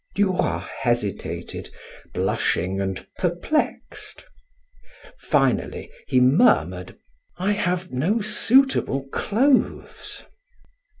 Duroy hesitated, blushing and perplexed. Finally he, murmured: "I have no suitable clothes."